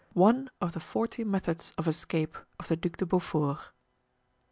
One of the Forty Methods of Escape of the Duc de Beaufort.